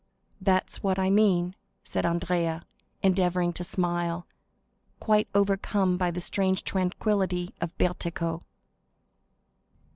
"That's what I mean," said Andrea, endeavoring to smile, quite overcome by the strange tranquillity of Bertuccio.